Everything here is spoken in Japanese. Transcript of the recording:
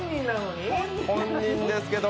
本人ですけれども。